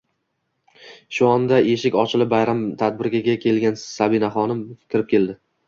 Shu onda eshik ochilib bayram tabrigiga kelgan Sanihaxonim kirib keldi.